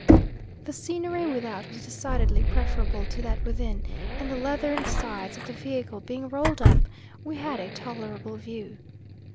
The scenery without was decidedly preferable to that within, and the leathern sides of the vehicle being rolled up, we had a tolerable view.